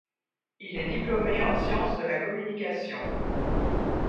Il est diplômé en sciences de la communication.